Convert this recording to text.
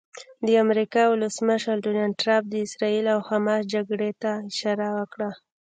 د امریکا ولسمشر ډونالډ ټرمپ د اسراییل او حماس جګړې ته اشاره وکړه.